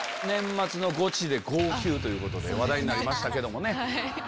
年末のゴチで号泣ということで話題になりましたけどもね。